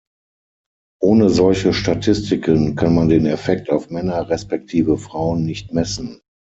Ohne solche Statistiken kann man den Effekt auf Männer respektive Frauen nicht messen.